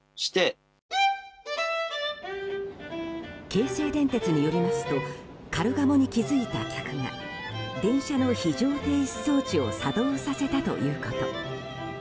京成電鉄によりますとカルガモに気づいた客が電車の非常停止装置を作動させたということ。